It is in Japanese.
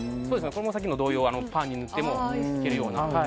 こちらも同様パンに塗ってもいけるような。